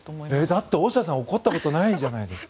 だって大下さん怒ったことないじゃないですか。